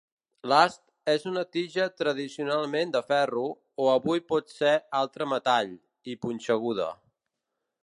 L'ast és una tija tradicionalment de ferro, o avui pot ser altre metall, i punxeguda.